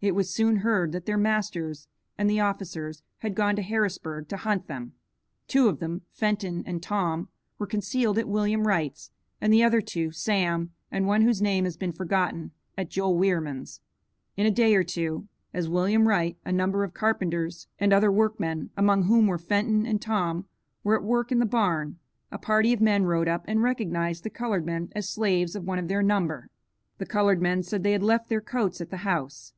It was soon heard that their masters and the officers had gone to Harrisburg to hunt them. Two of them, Fenton and Tom, were concealed at William Wright's, and the other two, Sam and one whose name has been forgotten, at Joel Wierman's. In a day or two, as William Wright, a number of carpenters, and other workmen, among whom were Fenton and Tom, were at work in the barn, a party of men rode up and recognized the colored men as slaves of one of their number. The colored men said they had left their coats at the house.